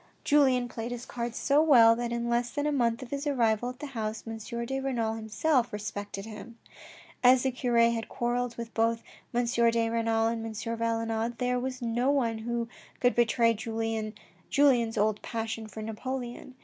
Julien played his cards so well, that in less than a month of his arrival at the house, M. de Renal himself respected him. As the cure had quarrelled with both M. de Renal and M. Valenod, there was no one who could betray Julien's old passion for Napoleon.